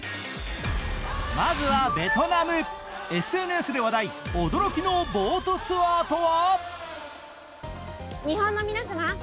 まずはベトナム、ＳＮＳで話題、驚きのボートツアーとは？